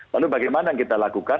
lalu bagaimana kita lakukan